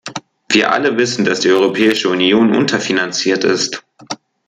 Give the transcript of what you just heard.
Wir alle wissen, dass die Europäische Union unterfinanziert ist.